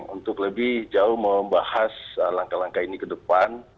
untuk lebih jauh membahas langkah langkah ini ke depan